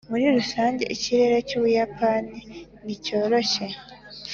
muri rusange, ikirere cy'ubuyapani ni cyoroshye.